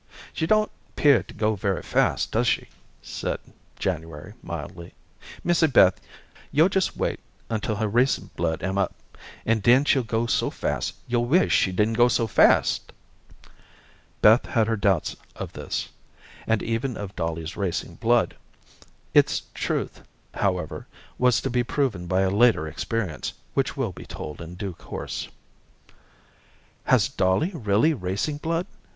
"She don't 'pear to go very fast, does she?" said January mildly. "Missy Beth, yo' jes' wait until her racing blood am up, and den she'll go so fast, yo'll wish she didn't go so fast." Beth had her doubts of this, and even of Dolly's racing blood. Its truth, however, was to be proven by a later experience which will be told in due course. "Has Dolly really racing blood?"